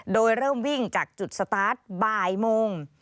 โดยเริ่มวิ่งจากจุดสตาร์ทบ่ายโมง